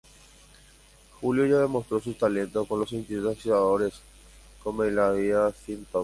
Julio ya demostró su talento con los sintetizadores, con melodías synth pop.